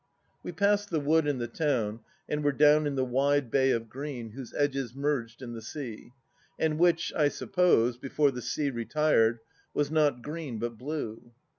We passed the wood and the town and were down in the wide bay of green whose edges merged in the sea, and which, I suppose, before the sea retired, was not green but blue.